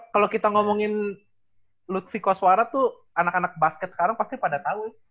kalau kita ngomongin lutfi koswara tuh anak anak basket sekarang pasti pada tau ya